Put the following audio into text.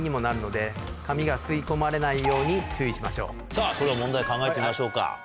さぁそれでは問題考えてみましょうか。